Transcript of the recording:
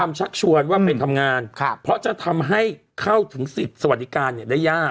ชักชวนว่าไปทำงานเพราะจะทำให้เข้าถึงสิทธิ์สวัสดิการเนี่ยได้ยาก